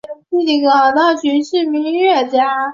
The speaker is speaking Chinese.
弟弟港大寻是一名音乐家。